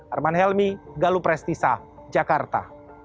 arman helmi galup restisa jakarta